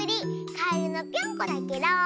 カエルのぴょんこだケロー。